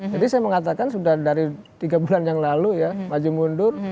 jadi saya mengatakan sudah dari tiga bulan yang lalu ya maju mundur